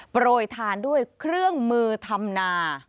โปรยทานด้วยเครื่องมือทำนา